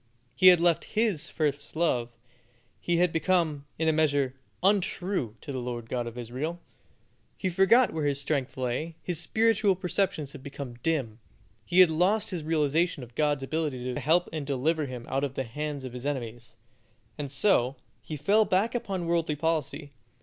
He had left His first love; he had become, in a measure, untrue to the Lord God of Israel. He forgot where his strength lay; his spiritual perceptions had become dim; he had lost his realization of God's ability to help and deliver him out of the hands of his enemies, and so he fell back upon worldly policy.